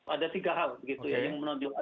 ada tiga hal begitu ya yang menunjukkan